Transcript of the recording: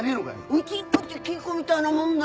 うちにとっちゃ金庫みたいなもんだよ。